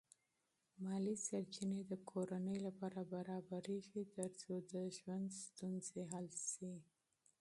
مالی سرچینې د کورنۍ لپاره برابرېږي ترڅو د ژوند ستونزې حل شي.